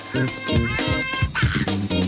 เวลา